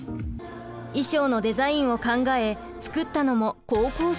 衣装のデザインを考え作ったのも高校生。